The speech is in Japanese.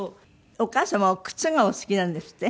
お母様は靴がお好きなんですって？